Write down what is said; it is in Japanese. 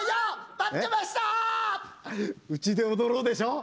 「うちで踊ろう」でしょ。